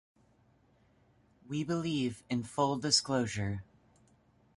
We believe in full disclosure.